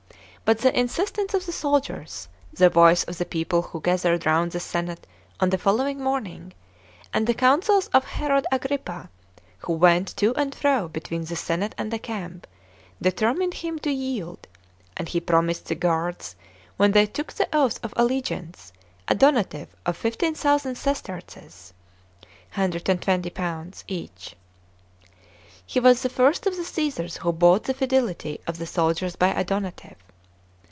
But the in sistence of the soldiers, the voice of the people who gathered round the senate on the following morning, and the counsels of Herod Agrippa, who went to and fro between the senate and the camp, determined him to yield ; and he promised the guards, when they took the oath of allegiance, a donative of 15,000 sesterces (£120) each. He was the first of the Caesars who bought the fidelity of the soldiers by a donative.